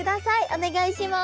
お願いします。